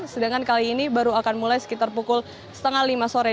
sedangkan kali ini baru akan mulai sekitar pukul setengah lima sore